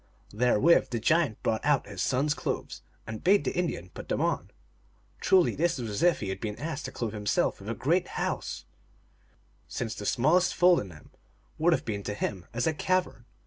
Therewith the giant brought out his son s clothes, and bade the Indian put them on. Truly this was as if he had been asked to clothe himself with a great house, since the smallest fold in them would have been to him as a cavern.